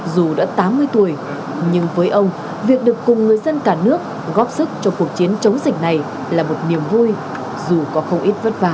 dù đã tám mươi tuổi nhưng với ông việc được cùng người dân cả nước góp sức cho cuộc chiến chống dịch này là một niềm vui dù có không ít vất vả